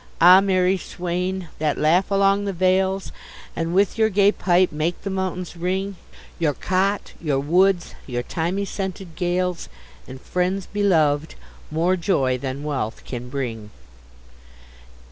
Ah, merry swain! that laugh along the vales, And with your gay pipe make the mountains ring, Your cot, your woods, your thymy scented gales— And friends belov'd, more joy than wealth can bring!